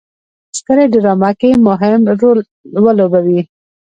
سترې ډرامه کې مهم رول ولوبوي.